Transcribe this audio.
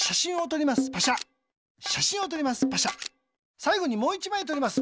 さいごにもう１まいとります。